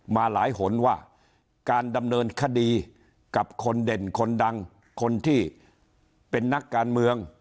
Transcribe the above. มาหลายหนว่าการดำเนินคดีกับคนเด่นคนดังคนที่เป็นนักการเมือง